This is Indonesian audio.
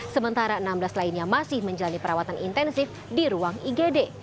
sementara enam belas lainnya masih menjalani perawatan intensif di ruang igd